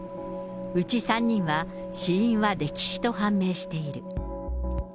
うち３人は、死因は溺死と判明している。